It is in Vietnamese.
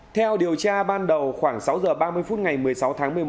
theo điều tra ban đầu khoảng sáu giờ ba mươi phút ngày một mươi sáu tháng một mươi một